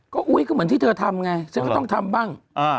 ก็อุ๊ยก็เหมือนที่เธอทำไงฉันก็ต้องทำบ้าง